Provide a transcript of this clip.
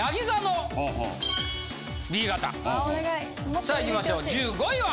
さあいきましょう１５位は？